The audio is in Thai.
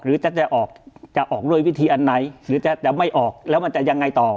จะออกจะออกด้วยวิธีอันไหนหรือจะไม่ออกแล้วมันจะยังไงต่อ